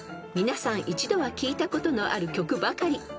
［皆さん一度は聞いたことのある曲ばかり］